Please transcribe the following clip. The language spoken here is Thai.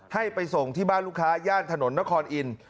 ให้ไปส่งที่บ้านลูกค้าย่านถนนนครอินทร์